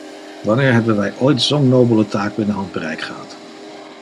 Wanneer hebben wij ooit zo'n nobele taak binnen handbereik gehad?